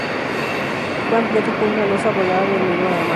Fue ampliado con una losa volada de hormigón armado.